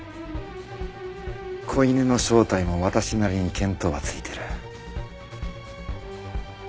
子犬の正体も私なりに見当はついてる。